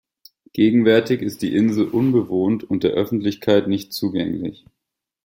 Gegenwärtig ist die Insel unbewohnt und der Öffentlichkeit nicht zugänglich.